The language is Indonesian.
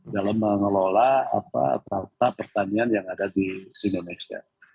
dalam mengelola tata pertanian yang ada di indonesia